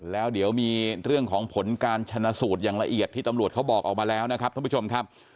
แล้วเดี๋ยวมีเรื่องของผลการชนะสูตรอย่างละเอียดที่ตำรวจเขาบอกออกมาแล้วนะครับท่านผู้ชมครับ